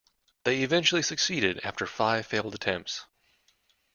They eventually succeeded after five failed attempts